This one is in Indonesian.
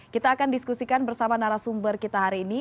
kita akan diskusikan bersama narasumber kita hari ini